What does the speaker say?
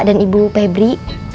dan ibu febri